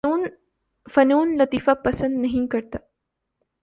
فنون لطیفہ پسند نہیں کرتا